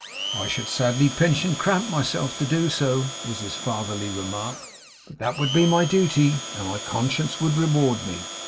'I should sadly pinch and cramp myself to do so,' was his fatherly remark; 'but that would be my duty, and my conscience would reward me.